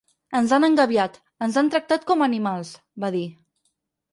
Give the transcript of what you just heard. Ens han engabiat, ens han tractat com a animals, va dir.